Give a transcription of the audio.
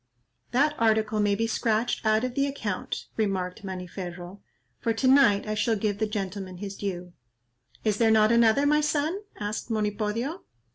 "That article may be scratched out of the account," remarked Maniferro, "for to night I shall give the gentleman his due." "Is there not another, my son?" asked Monipodio.